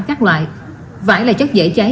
các loại vải là chất dễ cháy